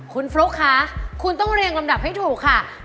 คุณฟลุ๊กคะคุณต้องเรียงลำดับให้ถูกค่ะ